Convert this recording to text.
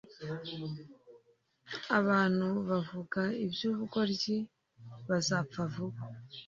abantu bavuga iby’ ubugoryi bazapfa vuba.